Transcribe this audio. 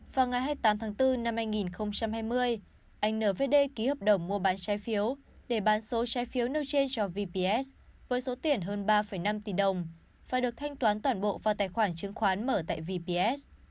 vào ngày hai mươi tám tháng bốn năm hai nghìn hai mươi anh nvd ký hợp đồng mua bán trái phiếu để bán số trái phiếu nêu trên cho vps với số tiền hơn ba năm tỷ đồng phải được thanh toán toàn bộ vào tài khoản chứng khoán mở tại vps